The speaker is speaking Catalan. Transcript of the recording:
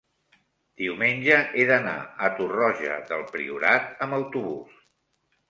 diumenge he d'anar a Torroja del Priorat amb autobús.